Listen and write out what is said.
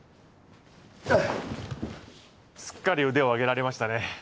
すっかり腕を上げられましたね。